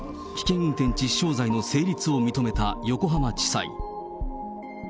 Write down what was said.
危険運転致死傷罪の成立を認めた横浜地裁。